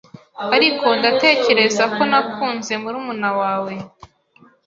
Ariko ndatekereza ko nakunze murumuna wawe.